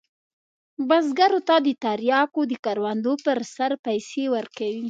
بزګرو ته د تریاکو د کروندو پر سر پیسې ورکوي.